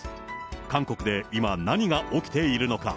韓国で今、何が起きているのか。